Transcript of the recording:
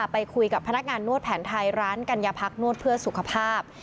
ไปคุยกับพนักงานนวดแผนไทยร้านกัญญาพักนวดเพื่อสุขภาพ